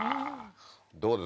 どうです？